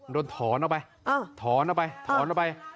โดนถอนเอาไปถอนเอาไป